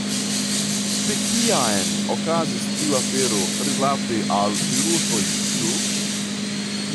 De kiam okazis tiu afero rilate al virusoj, ĉu?